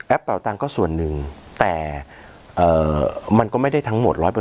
เป่าตังค์ก็ส่วนหนึ่งแต่มันก็ไม่ได้ทั้งหมด๑๐๐